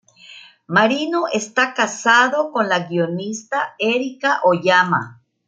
Marino está casado con la guionista Erica Oyama.